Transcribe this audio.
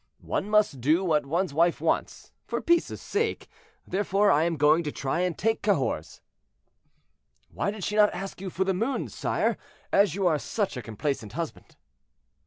One must do what one's wife wants, for peace' sake; therefore I am going to try and take Cahors." "Why did she not ask you for the moon, sire, as you are such a complaisant husband?"